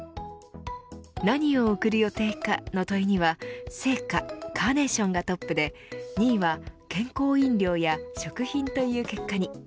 何を贈る予定か、の問いには生花、カーネーションがトップで２位は健康飲料や食品という結果に。